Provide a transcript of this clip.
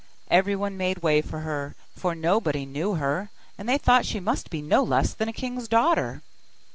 Everyone made way for her, for nobody knew her, and they thought she could be no less than a king's daughter.